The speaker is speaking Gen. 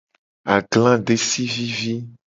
Agla desi vivi.